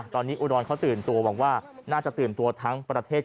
ตอนนี้อุดรเขาตื่นตัวหวังว่าน่าจะตื่นตัวทั้งประเทศ